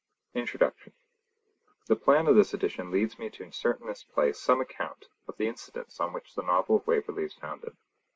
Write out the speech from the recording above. INTRODUCTION The plan of this edition leads me to insert in this place some account of the incidents on which the Novel of Waverley is founded.